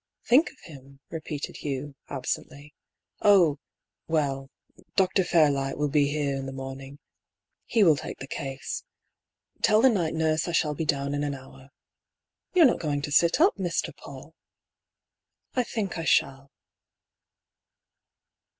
"Think of him?" repeated Hugh, absently. "Oh — well — Dr. Fairlight will be here in the morning. He will take the case. Tell the night nurse I shall be down in an hour." " You're not going to sit up, Mr. Paull ?" PATE. 7 « I think I shall."